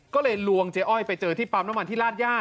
ก็เลยลวงเจ๊อ้อยไปเจอที่ปั๊มน้ำมันที่ลาดย่า